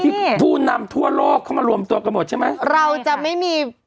ที่ทุนำทั่วโลกเข้ามันรวมตัวกันหมดใช่ไหม